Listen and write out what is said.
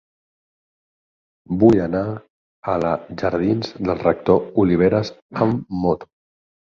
Vull anar a la jardins del Rector Oliveras amb moto.